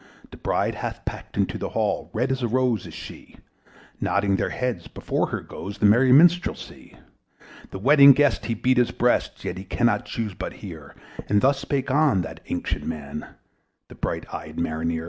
The bride hath paced into the hall, Red as a rose is she; Nodding their heads before her goes The merry minstrelsy. The Wedding Guest he beat his breast, Yet he cannot chuse but hear; And thus spake on that ancient man, The bright eyed Mariner.